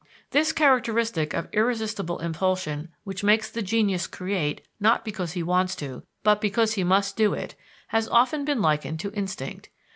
This characteristic of irresistible impulsion which makes the genius create not because he wants to, but because he must do it, has often been likened to instinct.